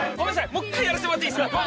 もう１回やらせてもらっていいですか？